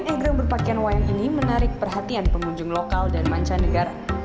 egrang berpakaian wayang ini menarik perhatian pengunjung lokal dan mancanegara